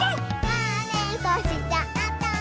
「まねっこしちゃった」